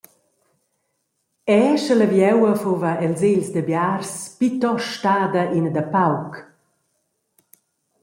Era sche la vieua fuva els egls da biars plitost stada ina da pauc.